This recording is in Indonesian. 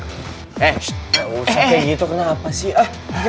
eh gak usah kayak gitu kenapa sih